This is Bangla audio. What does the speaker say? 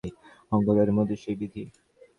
যে-সকল সমাজ খৃস্টান সমাজের অঙ্গ তাদের মধ্যেও সেই বিধি।